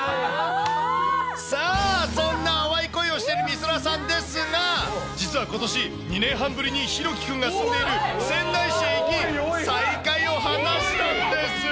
さあ、そんな淡い恋をしているみそらさんですが、実はことし、２年半ぶりにひろき君が住んでいる仙台市へ行き、再会を果たしたんです。